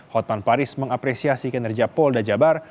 hotman paris mengapresiasi kinerja pol dan jabar